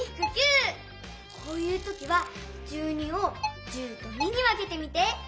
こういうときは１２を１０と２にわけてみて。